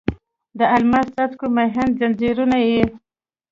د الماسې څاڅکو مهین ځنځیرونه یې